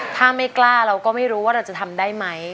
ถ้าไม่กล้าเราก็ไม่รู้ว่าเราจะทำได้ไหม